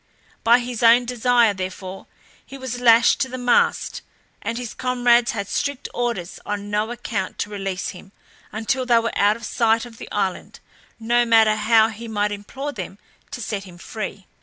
By his own desire, therefore, he was lashed to the mast, and his comrades had strict orders on no account to release him until they were out of sight of the island, no matter how he might implore them to set him free.